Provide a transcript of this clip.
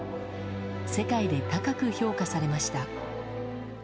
世界で高く評価されました。